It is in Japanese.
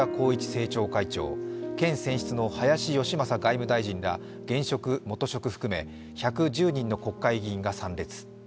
政調会長県選出の林芳正外務大臣ら現職・元職含め１１０人の国会議員が参列。